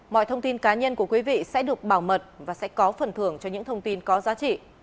mọi thông tin cá nhân của quý vị sẽ được bảo mật và sẽ có phần thưởng cho những thông tin có giá trị